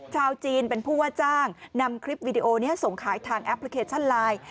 ชาวจีนเป็นผู้ว่าจ้างนำคลิปวิดีโอนี้ส่งขายทางแอปพลิเคชันไลน์